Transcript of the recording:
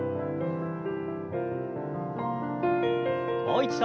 もう一度。